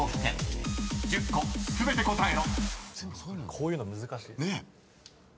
こういうの難しいです。